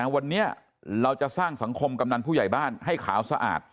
วันนี้เราจะสร้างสังคมกำนันผู้ใหญ่บ้านให้ขาวสะอาด